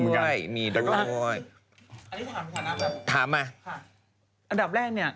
มีใช่มีมีมีด้วย